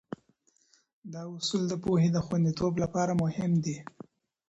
دا اصول د پوهې د خونديتوب لپاره مهم دي.